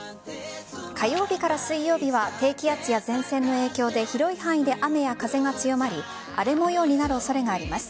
火曜日から水曜日は低気圧や前線の影響で広い範囲で雨や風が強まり荒れ模様になる恐れがあります。